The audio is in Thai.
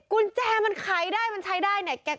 กุญแจมันขายได้มันใช้ได้เนี่ย